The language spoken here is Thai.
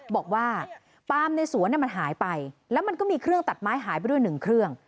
บอกว่าปาล์มในสวนมันหายไปแล้วมันก็มีเครื่องตัดไม้หายไปด้วยหนึ่งเครื่อง